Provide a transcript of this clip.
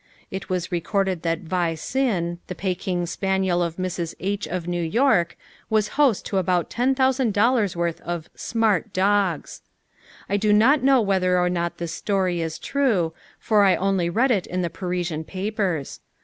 It was recorded that Vi Sin, the Pekin Spaniel of Mrs. H. of New York, was host to about ten thousand dollars worth of "smart" dogs. I do not know whether or not this story is true, for I only read it in the Parisian papers.